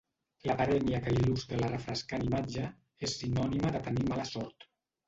La parèmia que il·lustra la refrescant imatge és sinònima de tenir mala sort.